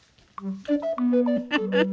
フフフフ。